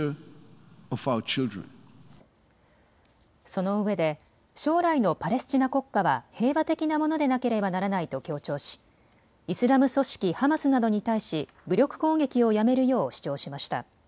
そのうえで将来のパレスチナ国家は平和的なものでなければならないと強調しイスラム組織ハマスなどに対し武力攻撃をやめるよう主張しました。